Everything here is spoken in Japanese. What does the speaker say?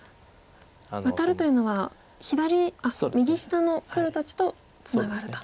ワタるというのは右下の黒たちとツナがると。